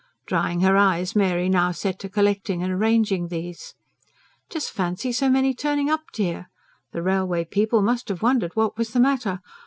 Drying her eyes, Mary now set to collecting and arranging these. "Just fancy so many turning up, dear. The railway people must have wondered what was the matter.